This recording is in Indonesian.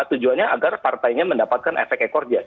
tujuannya agar partainya mendapatkan efek ekor jas